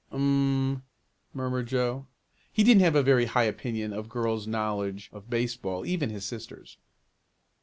"Um!" murmured Joe. He didn't have a very high opinion of girls' knowledge of baseball, even his sister's.